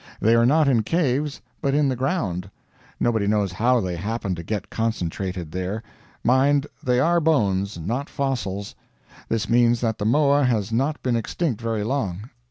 They are not in caves, but in the ground. Nobody knows how they happened to get concentrated there. Mind, they are bones, not fossils. This means that the moa has not been extinct very long.